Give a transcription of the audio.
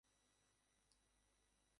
আমাকে যে মনে রেখেছ, এটা তোমার সহৃদয়তা।